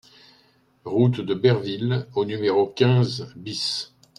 Route de Berville au numéro quinze BIS